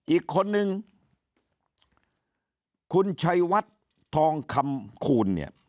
อีกคนนึงคุณชัยวัดทองคำคูณเนี่ย